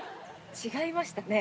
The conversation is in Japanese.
違いましたね。